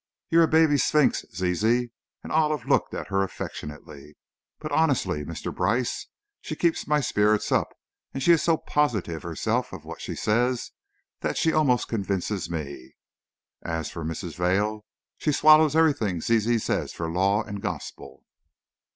"You're a baby sphinx, Zizi," and Olive looked at her affectionately, "but honestly, Mr. Brice, she keeps my spirits up, and she is so positive herself of what she says that she almost convinces me. As for Mrs. Vail, she swallows everything Zizi says for law and gospel!"